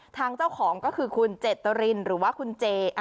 ทางเจ้าของก็คือคุณเจตรินหรือว่าคุณเจ